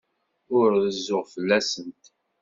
Ur rezzuɣ fell-asent.